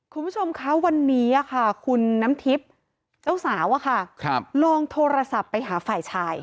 คุณผู้ชมคะวันนี้คุณน้ำทิพย์เจ้าสาวลองโทรศัพท์ไปหาฝ่ายชาย